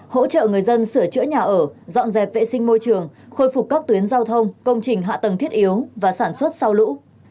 hỗ trợ người dân sửa chữa nhà ở dọn dẹp vệ sinh môi trường khôi phục các tuyến giao thông công trình hạ tầng thiết yếu và sản xuất sau lũ